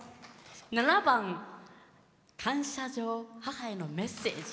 ７番「感謝状母へのメッセージ」。